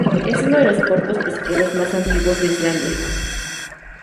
Es uno de los puertos pesqueros más antiguos de Islandia.